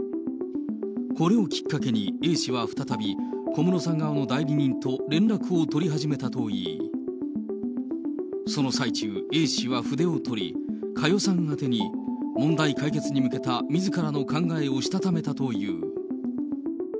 これをきっかけにＡ氏は再び、小室さん側の代理人と連絡を取り始めたといい、その最中、Ａ氏は筆を執り、佳代さん宛てに問題解決に向けたみずからの考えをしたためたという。